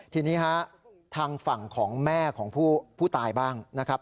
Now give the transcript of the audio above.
ทีนี้ฮะทางฝั่งของแม่ของผู้ตายบ้างนะครับ